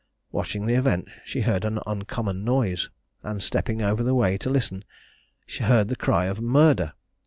Watching the event, she heard an uncommon noise, and, stepping over the way to listen, heard the cry of "Murder!"